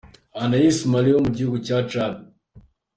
Anais Mali wo mu gihugu cya Chad.